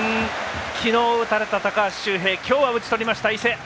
昨日、打たれた高橋周平今日は打ち取りました、伊勢。